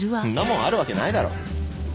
んなもんあるわけないだろ。